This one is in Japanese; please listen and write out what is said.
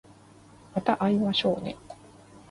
また会いましょうね